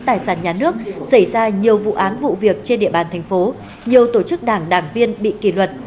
tài sản nhà nước xảy ra nhiều vụ án vụ việc trên địa bàn thành phố nhiều tổ chức đảng đảng viên bị kỷ luật